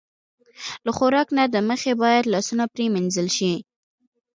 له خوراک نه د مخه باید لاسونه پرېمنځل شي.